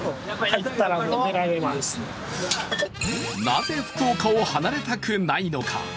なぜ福岡を離れたくないのか。